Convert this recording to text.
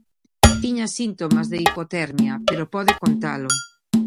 Tiña síntomas de hipotermia, pero pode contalo.